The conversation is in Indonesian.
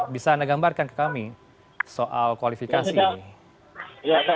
bisa anda gambarkan ke kami soal kualifikasi ini